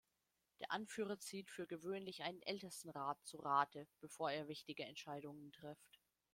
Der Anführer zieht für gewöhnlich einen Ältestenrat zu Rate, bevor er wichtige Entscheidungen trifft.